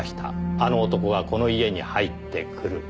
あの男がこの家に入ってくる」